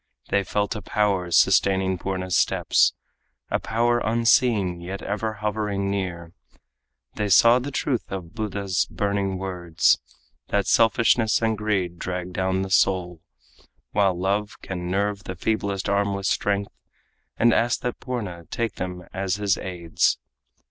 They felt a power sustaining Purna's steps A power unseen yet ever hovering near They saw the truth of Buddha's burning words That selfishness and greed drag down the soul, While love can nerve the feeblest arm with strength, And asked that Purna take them as his aids.